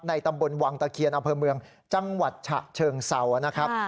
ตำบลวังตะเคียนอำเภอเมืองจังหวัดฉะเชิงเศร้านะครับ